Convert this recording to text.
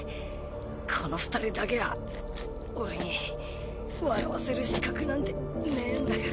この２人だけは俺に笑わせる資格なんてねえんだから。